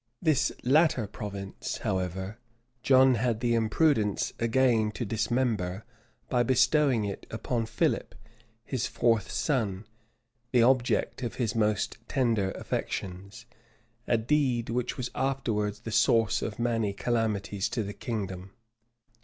This latter province, however, John had the imprudence again to dismember by bestowing it on Philip, his fourth son, the object of his most tender affections;[*] a deed which was afterwards the source of many calamities to the kingdom.